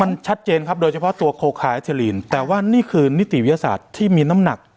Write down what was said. มันชัดเจนครับโดยเฉพาะตัวโคคาแอคเทอลีนแต่ว่านี่คือนิติวิทยาศาสตร์ที่มีน้ำหนัก